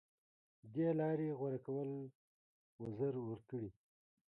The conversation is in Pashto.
دې لارې غوره کول وزر ورکړي